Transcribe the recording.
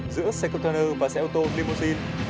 giữa xe container và xe ô tô limousine